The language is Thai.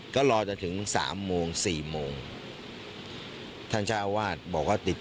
ครับ